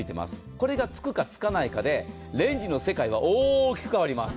これがつくかつかないかでレンジの世界は大きく変わります。